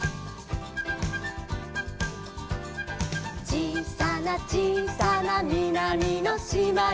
「ちいさなちいさなみなみのしまに」